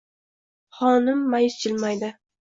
Xonim ma’yus jilmaydi.